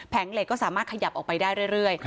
เหล็กก็สามารถขยับออกไปได้เรื่อย